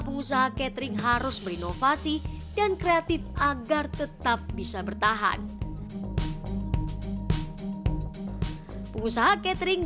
pengusaha catering harus berinovasi dan kreatif agar tetap bisa bertahan pengusaha catering